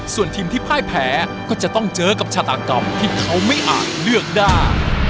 ส่วนทีมที่พ่ายแพ้ก็จะต้องเจอกับชาตากรรมที่เขาไม่อาจเลือกได้